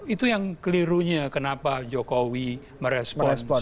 itu yang kelirunya kenapa jokowi merespon